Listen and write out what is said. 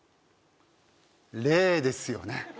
レーですよね